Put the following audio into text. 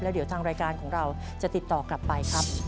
เดี๋ยวทางรายการของเราจะติดต่อกลับไปครับ